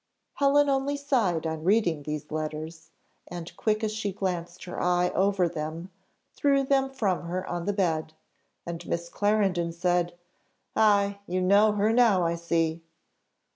Helen only sighed on reading these letters, and quick as she glanced her eye over them, threw them from her on the bed; and Miss Clarendon said, "Ay! you know her now, I see!"